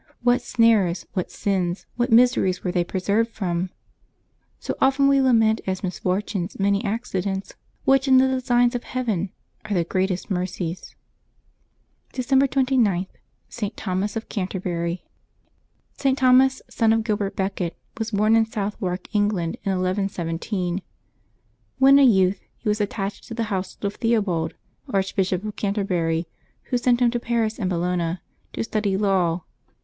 What snares, what sins, what miseries were they preserved from ! So we often lament as misfortunes many accidents which in the designs of Heaven are the greatest mercies. Decembeb 30] LIVES OF THE SAINTS 389 December 29.— ST. THOMAS OF CANTERBURY. @T. Thomas, son of Gilbert Beeket, was born in Sonth wark, England, in 1117. When a youth he was attached to the household of Theobald, Archbishop of Can terbury, who sent him to Paris and Bologna to study law.